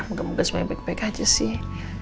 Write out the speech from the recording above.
semoga semuanya baik baik aja sih